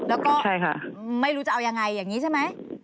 แล้วก็ไม่รู้จะเอายังไงอย่างนี้ใช่ไหม